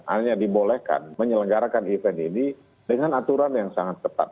hanya dibolehkan menyelenggarakan event ini dengan aturan yang sangat ketat